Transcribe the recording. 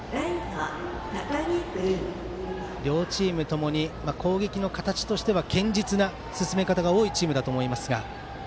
両チームともに攻撃の形としては堅実な進め方が多いチームだと思いますが。